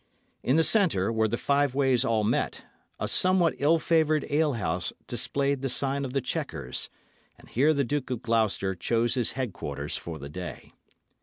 In the centre, where the five ways all met, a somewhat ill favoured alehouse displayed the sign of the Chequers; and here the Duke of Gloucester chose his headquarters for the day.